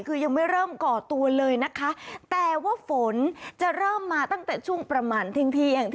คือยังไม่เริ่มก่อตัวเลยนะคะแต่ว่าฝนจะเริ่มมาตั้งแต่ช่วงประมาณเที่ยงเที่ยง